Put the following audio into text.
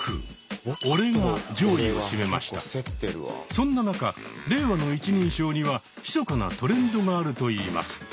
そんな中令和の一人称にはひそかなトレンドがあるといいます。